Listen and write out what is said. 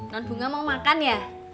non bunga mau makan ya